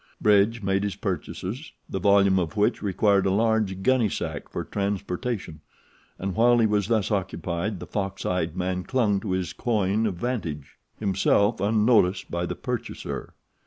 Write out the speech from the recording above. Bridge made his purchases, the volume of which required a large gunny sack for transportation, and while he was thus occupied the fox eyed man clung to his coign of vantage, himself unnoticed by the purchaser.